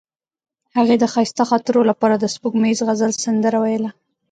هغې د ښایسته خاطرو لپاره د سپوږمیز غزل سندره ویله.